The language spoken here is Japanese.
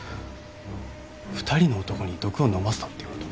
２人の男に毒を飲ませたっていうこと？